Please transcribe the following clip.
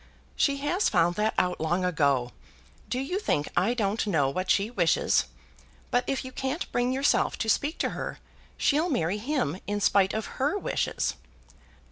"She has found that out long ago. Do you think I don't know what she wishes? But if you can't bring yourself to speak to her, she'll marry him in spite of her wishes."